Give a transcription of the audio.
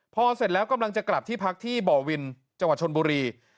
พอเสร็จแล้วกำลังจะกลับที่พักที่บ่อวินจังหวัดชนบุรี